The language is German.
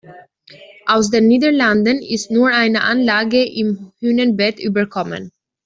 Aus den Niederlanden ist nur eine Anlage im Hünenbett überkommen.